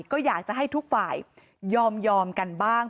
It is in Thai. ก็อยากจะให้ทุกฝ่ายยอมกันบ้าง